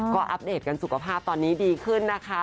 ก็อัปเดตกันสุขภาพตอนนี้ดีขึ้นนะคะ